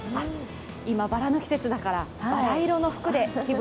今、バラの季節だから、バラ色の服で気分